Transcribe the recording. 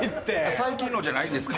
最近のじゃないですか？